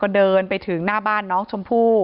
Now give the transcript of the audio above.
ที่มีข่าวเรื่องน้องหายตัว